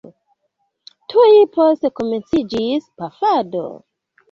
Tuj poste komenciĝis pafado.